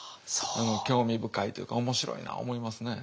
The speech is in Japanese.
興味深いというか面白いなあ思いますね。